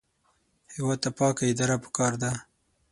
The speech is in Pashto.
هېواد ته پاکه اداره پکار ده